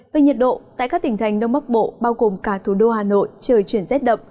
về nhiệt độ tại các tỉnh thành đông bắc bộ bao gồm cả thủ đô hà nội trời chuyển rét đậm